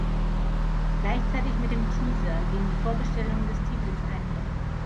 Gleichzeitig mit dem Teaser ging die Vorbestellung des Titels einher.